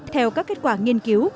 theo các kết quả nghiên cứu